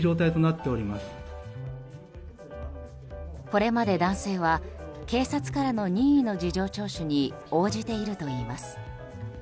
これまで男性は警察からの任意の事情聴取に応じているといいます。